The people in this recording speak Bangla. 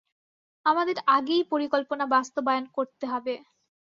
আমাদের আগেই পরিকল্পনা বাস্তবায়ন করতে হবে।